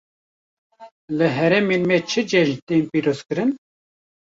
Li herêmên me çi cejn tên pîrozkirin?